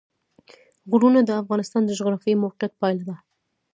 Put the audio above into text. غرونه د افغانستان د جغرافیایي موقیعت پایله ده.